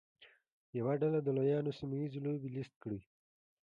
یوه ډله د لویانو سیمه ییزې لوبې لیست کړي.